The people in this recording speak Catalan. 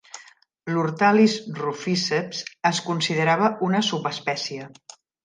L'Ortalis ruficeps es considerava una subespècie.